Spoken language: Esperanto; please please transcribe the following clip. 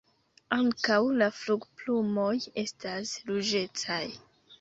Ankaŭ la flugoplumoj estas ruĝecaj.